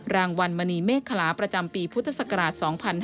รางวัลมณีเมฆคลาประจำปีพุทธศักราช๒๕๕๙